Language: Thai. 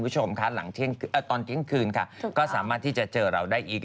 ตอนเที่ยงคืนค่ะก็สามารถที่จะเจอเราได้อีก